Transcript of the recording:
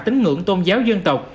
tính ngưỡng tôn giáo dân tộc